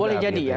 boleh jadi ya